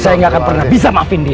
saya nggak akan pernah bisa maafin dia